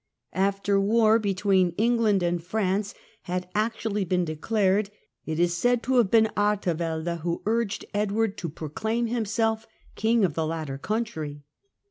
After war between England and France had actually been declared, it is said to have been Artevelde who urged Edward to proclaim himself King of the latter country.